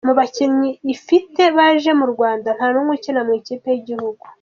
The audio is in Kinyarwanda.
Mu bakinnyi ifite baje mu Rwanda nta numwe ukina mu ikipe y’igihugu.